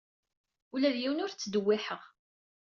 Ula d yiwen ur t-ttdewwiḥeɣ.